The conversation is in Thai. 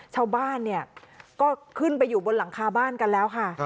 ชาวบ้านเนี่ยก็ขึ้นไปอยู่บนหลังคาบ้านกันแล้วค่ะ